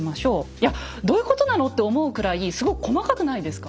いやどういうことなのって思うくらいすごく細かくないですか？